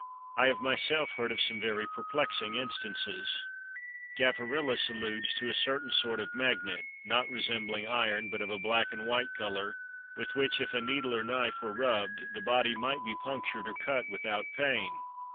I have myself heard of some very perplexing instances. Gaffarillus alludes to a certain sort of magnet, not resembling iron, but of a black and white color, with which if a needle or knife were rubbed, the body might be punctured or cut without pain.